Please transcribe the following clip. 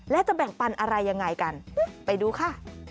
และจะแบ่งปันอะไรยังไงกันไปดูค่ะ